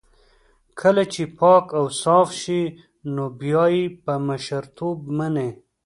کله چې پاک اوصاف شي نو بيا يې په مشرتوب مني.